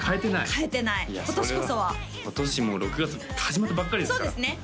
買えてない今年こそは今年もう６月始まったばっかりですからそうですね